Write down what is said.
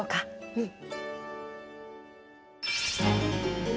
うん。